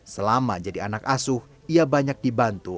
selama jadi anak asuh ia banyak dibantu